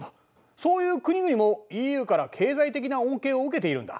そういう国々もＥＵから経済的な恩恵を受けているんだ。